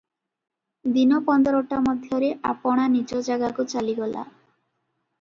ଦିନ ପନ୍ଦରଟା ମଧ୍ୟରେ ଆପଣା ନିଜ ଯାଗାକୁ ଚାଲିଗଲା ।